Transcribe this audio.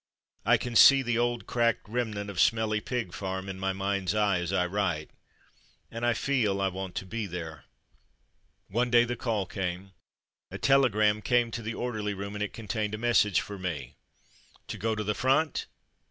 I can see the old cracked remnant of Smelly Pig Farm in my mind's eye as I write, and I feel I want to be there. One day the call came. A telegram came to the orderly room, and it contained a message for me. To go to the front